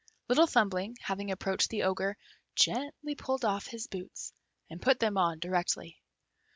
Little Thumbling having approached the Ogre, gently pulled off his boots, and put them on directly.